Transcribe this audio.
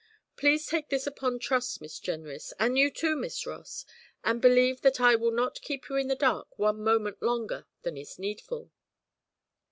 Please take this upon trust, Miss Jenrys, and you too, Miss Ross, and believe that I will not keep you in the dark one moment longer than is needful.'